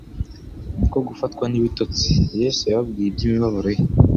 niko gufatwa n'ibitotsi. Yesu yababwiye iby'imibabaro ye: